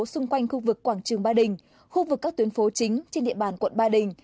xung quanh khu vực quảng trường ba đình khu vực các tuyến phố chính trên địa bàn quận ba đình